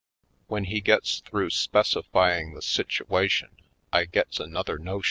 When he gets through specifying the sit uation I gets another notion : 184